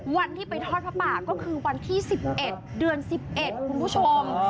วันที่ไปทอดผ้าป่าก็คือวันที่๑๑เดือน๑๑คุณผู้ชม